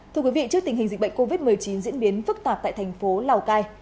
thưa quý vị trước tình hình dịch bệnh covid một mươi chín diễn biến phức tạp tại thành phố lào cai